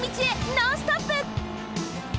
ノンストップ！